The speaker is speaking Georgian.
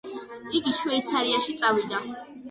იგი შვეიცარიაში წავიდა.